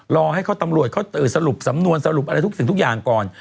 รอให้เขาตำรวจสรุปสำนวนสำนวนพวกแบบนี้ก่อน